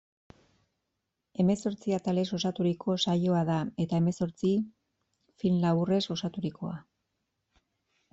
Hemezortzi atalez osaturiko saioa da, edo hemezortzi film laburrez osaturikoa.